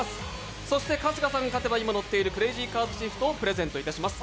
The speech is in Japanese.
そして、春日さんが勝てば、今乗っているクレイジーカートシフトをプレゼントいたします。